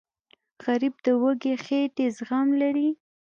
غریب د وږې خېټې زغم لري